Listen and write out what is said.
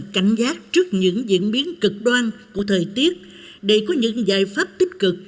cảnh giác trước những diễn biến cực đoan của thời tiết để có những giải pháp tích cực